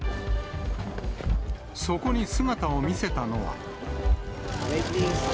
そこに姿を見せたのは。